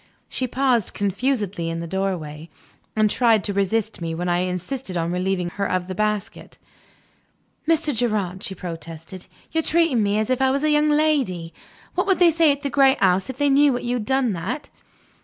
She paused confusedly in the doorway, and tried to resist me when I insisted on relieving her of the basket. "Mr. Gerard," she protested, "you are treating me as if I was a young lady. What would they say at the great house, if they knew you had done that?"